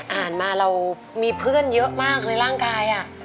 ดังนั้นมาเรามีเพื่อนเยอะมากในร่างกายอะ